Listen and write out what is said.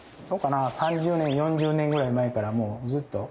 ３０年４０年ぐらい前からもうずっと。